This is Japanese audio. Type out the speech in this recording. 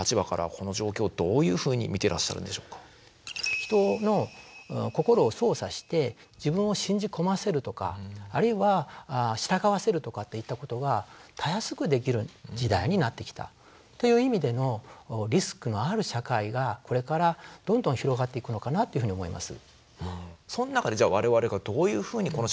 人の心を操作して自分を信じ込ませるとかあるいは従わせるとかといったことがたやすくできる時代になってきたという意味でのリスクのある社会がこれからどんどん広がっていくのかなというふうに思います。